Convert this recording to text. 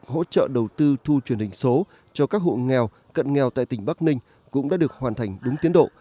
hỗ trợ đầu tư thu truyền hình số cho các hộ nghèo cận nghèo tại tỉnh bắc ninh cũng đã được hoàn thành đúng tiến độ